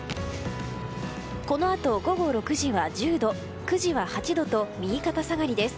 このあと、午後６時は１０度９時は８度と、右肩下がりです。